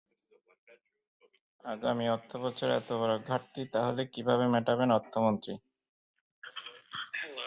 আগামী অর্থবছরের এত বড় ঘাটতি তাহলে কীভাবে মেটাবেন অর্থমন্ত্রী?